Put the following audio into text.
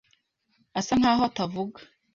asa nkaho atavuga.